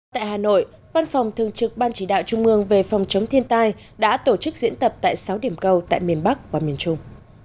tại hà nội văn phòng thường trực ban chỉ đạo trung mương về phòng chống thiên tai đã tổ chức diễn tập tại sáu điểm cầu tại miền bắc và miền trung